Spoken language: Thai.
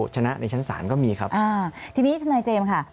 ชนะในชั้นศาลก็มีครับอ่าทีนี้ทนายเจมส์ค่ะ